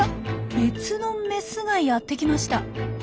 別のメスがやって来ました。